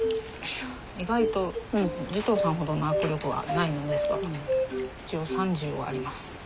意外と慈瞳さんほどの握力はないのですが一応３０はあります。